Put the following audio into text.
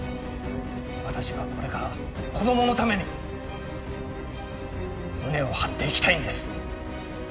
私はこれから子供のために胸を張って生きたいんです。